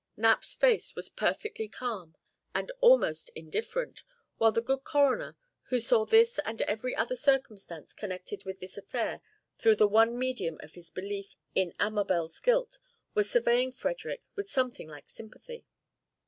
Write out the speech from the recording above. Knapp's face was perfectly calm and almost indifferent, while the good coroner, who saw this and every other circumstance connected with this affair through the one medium of his belief in Amabel's guilt, was surveying Frederick with something like sympathy.